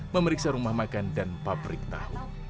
memeriksa rumah makan dan pabrik tahu